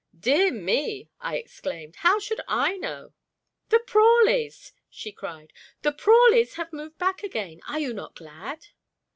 "Dear me!" I exclaimed. "How should I know?" "The Prawleys!" she cried. "The Prawleys have moved back again. Are you not glad?"